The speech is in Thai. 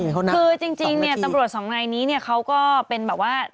คือจริงตำรวจสองนายนี้เขาก็เป็นแบบว่า